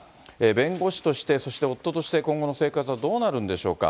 弁護士として、そして夫として、今後の生活はどうなるんでしょうか。